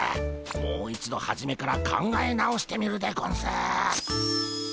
もう一度はじめから考え直してみるでゴンス。